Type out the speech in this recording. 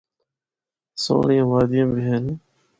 سہنڑیاں وادیاں بھی ہن۔